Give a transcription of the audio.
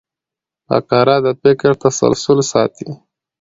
فقره د فکر تسلسل ساتي.